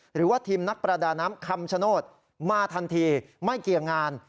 หรือว่าทีมนักประดาน้ำคำชโนธมาทันทีไม่เกี่ยงงาน